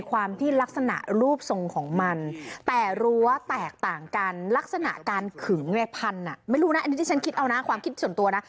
การขึงแม่พันธุ์ไม่รู้นะอันนี้ที่ฉันคิดเอานะความคิดส่วนตัวนะ